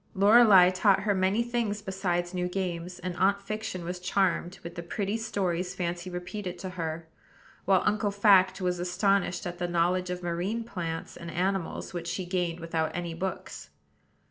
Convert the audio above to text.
Lorelei taught her many things besides new games; and Aunt Fiction was charmed with the pretty stories Fancy repeated to her, while Uncle Fact was astonished at the knowledge of marine plants and animals which she gained without any books.